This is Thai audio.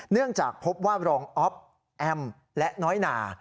เนื่องจากพบว่ารองอ๊อฟแอมและน้อยนา